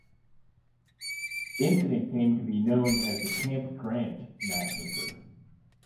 The incident came to be known as the Camp Grant Massacre.